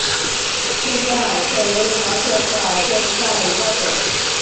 近边耳蕨为鳞毛蕨科耳蕨属下的一个种。